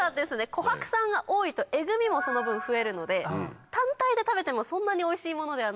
コハク酸が多いとえぐ味もその分増えるので単体で食べてもそんなにおいしいものではない。